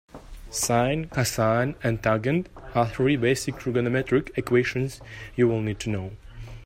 Sine, cosine and tangent are three basic trigonometric equations you'll need to know.